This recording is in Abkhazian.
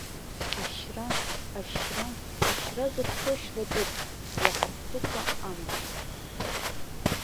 Ашьра, ашьра, ашьра зыхәҭоу шьлатәуп, уаҳа ԥсыхәа амаӡам.